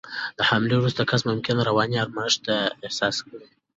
د حملې وروسته کس ممکن رواني آرامښت احساس کړي.